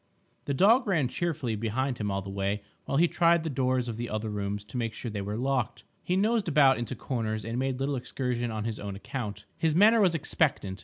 The dog ran cheerfully behind him all the way while he tried the doors of the other rooms to make sure they were locked. He nosed about into corners and made little excursions on his own account. His manner was expectant.